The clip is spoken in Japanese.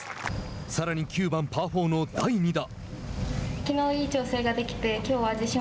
さらに９番、パー４の第２打。